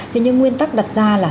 thế nhưng nguyên tắc đặt ra là